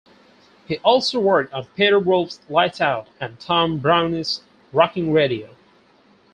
He also worked on Peter Wolf's "Lights Out" and Tom Browne's "Rockin' Radio".